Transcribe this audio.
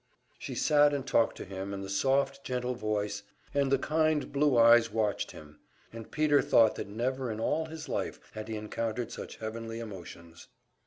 She sat and talked to him in the soft, gentle voice, and the kind blue eyes watched him, and Peter thought that never in all his life had he encountered such heavenly emotions.